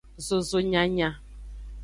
Zozo nyanya.